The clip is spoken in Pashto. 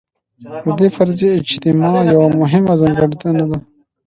د دې فرضي اجتماع یوه مهمه ځانګړتیا ده.